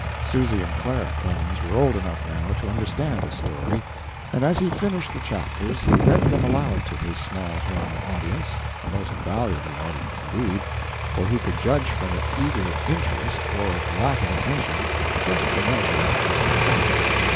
Susy and Clara Clemens were old enough now to understand the story, and as he finished the chapters he read them aloud to his small home audience a most valuable audience, indeed, for he could judge from its eager interest, or lack of attention, just the measure of his success.